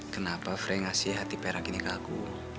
kenapa frey ngasih hati perak ini ke aku